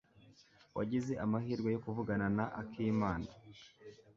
Wagize amahirwe yo kuvugana na Akimana?